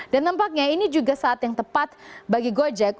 dan tampaknya ini juga saat yang tepat bagi gojek